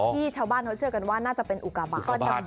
ชาวบ้านเขาเชื่อกันว่าน่าจะเป็นอุกาบาท